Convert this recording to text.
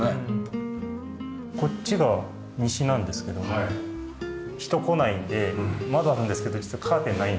こっちが西なんですけど人来ないので窓あるんですけど実はカーテンがない。